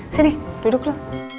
sini duduk lu